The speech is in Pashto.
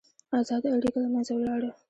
ازاده اړیکه له منځه ولاړه.